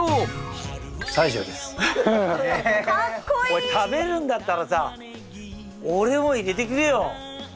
おい食べるんだったらさ俺も入れてくれよ。